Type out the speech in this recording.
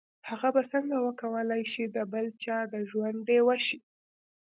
هغه به څنګه وکولای شي د بل چا د ژوند ډيوه شي.